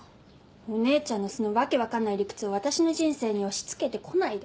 お姉ちゃんのその訳分かんない理屈を私の人生に押し付けて来ないで。